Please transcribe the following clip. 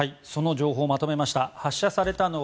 その情報をまとめました。